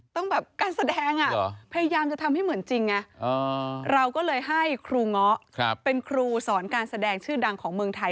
ต้องแบบการแสดงพยายามจะทำให้เหมือนจริงไงเราก็เลยให้ครูเงาะเป็นครูสอนการแสดงชื่อดังของเมืองไทย